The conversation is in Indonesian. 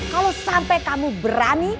kalo sampe kamu berani